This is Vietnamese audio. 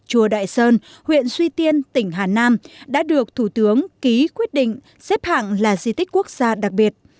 chùa đại sơn huyện suy tiên tỉnh hà nam đã được thủ tướng ký quyết định xếp hạng là di tích quốc gia đặc biệt